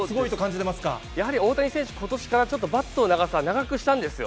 やはり大谷選手、ことしからちょっとバットの長さ、長くしたんですよ。